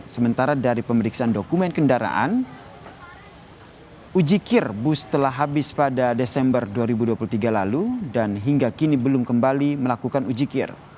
sementara dari pemeriksaan dokumen kendaraan ujikir bus telah habis pada desember dua ribu dua puluh tiga lalu dan hingga kini belum kembali melakukan ujikir